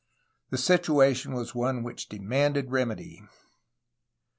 The situation was one which demanded remedy.